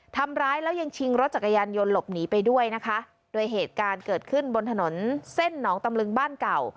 ทำร้ายแล้วยังชิงรถจักรยานยนต์หลบหนีไปด้วยนะคะโดยเหตุการณ์เกิดขึ้นบนถนนเส้นหนองตำลึงบ้านเก่า